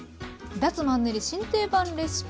脱マンネリ新定番レシピ